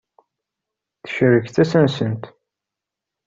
Tcerreg tasa-nsent.